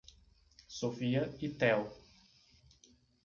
Sophia e Théo